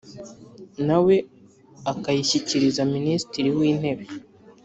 nawe akayashyikiriza minisitiri wi ntebe